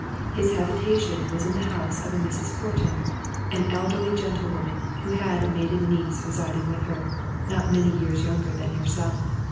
His habitation was in the house of a Mrs. Horton, an elderly gentlewoman, who had a maiden niece residing with her, not many years younger than herself.